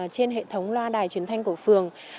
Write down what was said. trên hệ thống loa đài truyền thanh của phường